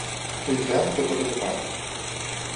Peix d'art, tothom hi té part.